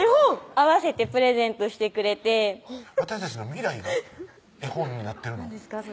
併せてプレゼントしてくれて私たちの未来が絵本になってるの？